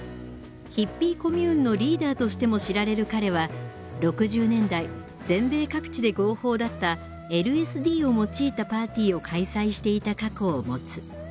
ヒッピー・コミューンのリーダーとしても知られる彼は６０年代全米各地で合法だったＬＳＤを用いたパーティーを開催していた過去を持つ。